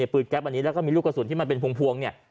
แก๊ปอันนี้แล้วก็มีลูกกระสุนที่มันเป็นพวงเนี่ย